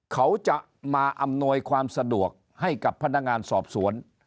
เขาจะมาอำนวยความสะดวกให้กับพนักงานสอบสวน